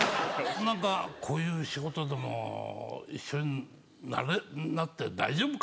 何か「こういう仕事でも一緒になって大丈夫かな？」